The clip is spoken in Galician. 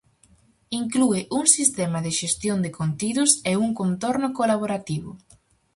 Inclúe un sistema de xestión de contidos e un contorno colaborativo.